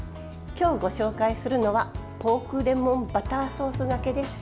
今日ご紹介するのはポークレモンバターソースがけ。